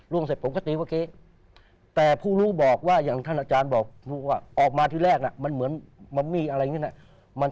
ร่วงเสร็จผมก็ตีวะเกแต่ผู้รู้บอกว่าอย่างท่านอาจารย์บอกออกมาที่แรกนะมันเหมือนมันมีอะไรอย่างนี้นะ